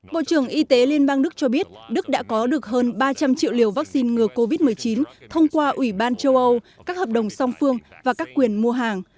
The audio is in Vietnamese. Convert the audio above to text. bộ trưởng y tế liên bang đức cho biết đức đã có được hơn ba trăm linh triệu liều vaccine ngừa covid một mươi chín thông qua ủy ban châu âu các hợp đồng song phương và các quyền mua hàng